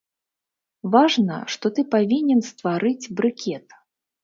Важна, што ты павінен стварыць брыкет.